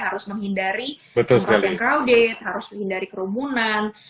harus menghindari tempat yang crowded harus menghindari kerumunan